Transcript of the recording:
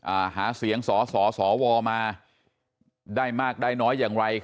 หาเสียงสอสอสวมาได้มากได้น้อยอย่างไร